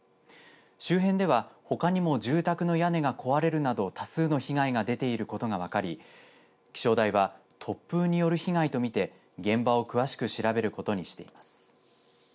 周辺では、ほかにも住宅の屋根が壊れるなど多数の被害が出ていることが分かり気象台は突風による被害と見て現場を詳しく調べることにしています。